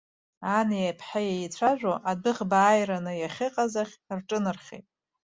Ани аԥҳаи еицәажәо адәыӷба ааираны иахьыҟаз ахь рҿынархеит.